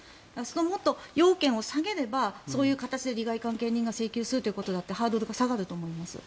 もっと要件を下げればそういう形で利害関係人が請求するということだってハードルが下がると思います。